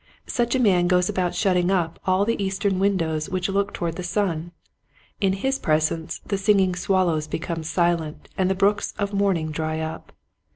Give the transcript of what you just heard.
Such a man goes about shutting up all the Eastern windows which look toward the sun. In his presence the singing swallows become silent and the brooks of morning dry up.